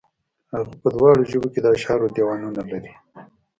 هغه په دواړو ژبو کې د اشعارو دېوانونه لري.